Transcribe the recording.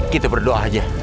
kita berdoa aja